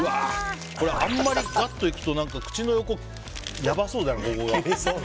あんまりガッといくと口の横、やばそうだよね。